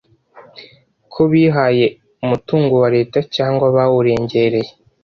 ko bihaye umutungo wa Leta cyangwa bawurengereye